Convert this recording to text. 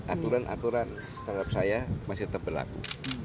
aturan aturan terhadap saya masih tetap berlaku